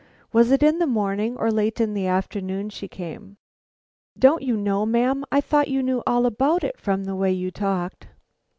Was it in the morning or late in the afternoon she came?" "Don't you know, ma'am? I thought you knew all about it from the way you talked."